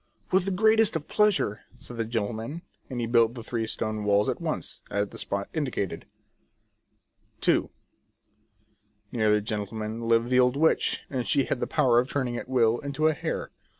" With the greatest of pleasure," said the gentleman ; and he built the three stone walls at once, at the spot indicated. TJie Fairies of Caragonan. II. Near the gentleman lived the old witch, and she had the power of turning at will into a hare.